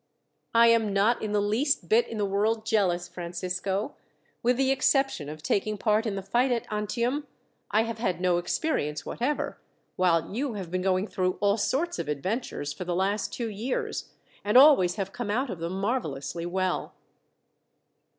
"I am not in the least bit in the world jealous, Francisco. With the exception of taking part in the fight at Antium, I have had no experience whatever, while you have been going through all sorts of adventures for the last two years, and always have come out of them marvellously well."